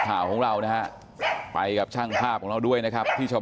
ข่าวของเรานะฮะไปกับช่างภาพของเราด้วยนะครับที่ชาว